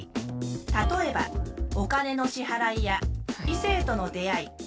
例えばお金の支払いや異性との出会い。